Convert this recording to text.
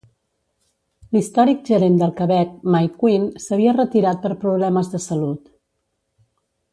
L'històric gerent del Quebec Mike Quinn s'havia retirat per problemes de salut.